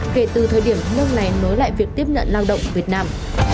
kể từ thời điểm nước này nối lại việc tiếp nhận lao động việt nam